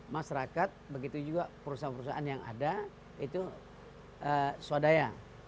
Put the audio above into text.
masyarakat begitu juga perusahaan perusahaan yang ada itu swadaya